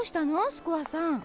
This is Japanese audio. スコアさん。